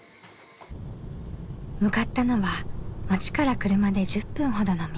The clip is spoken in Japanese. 向かったのは町から車で１０分ほどの港。